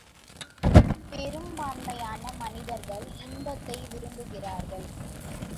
பெரும்பான்மையான மனிதர்கள் இன்பத்தை விரும்புகிறார்கள்.